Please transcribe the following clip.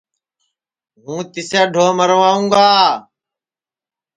ہوں تِسیں ڈھو مراوں گا